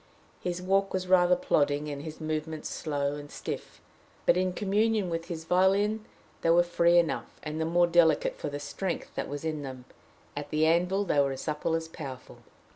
His walk was rather plodding, and his movements slow and stiff; but in communion with his violin they were free enough, and the more delicate for the strength that was in them; at the anvil they were as supple as powerful.